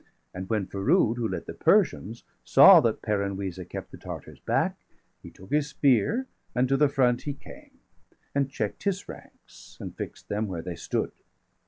And when Ferood, who led the Persians, saw That Peran Wisa kept the Tartars back, 145 He took his spear, and to the front he came, And check'd his ranks, and fix'd° them where they stood.